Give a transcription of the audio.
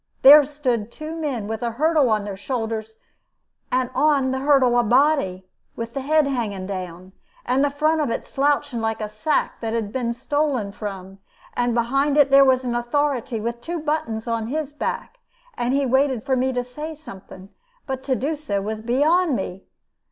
There stood two men, with a hurdle on their shoulders, and on the hurdle a body, with the head hanging down, and the front of it slouching, like a sack that has been stolen from; and behind it there was an authority with two buttons on his back, and he waited for me to say something; but to do so was beyond me.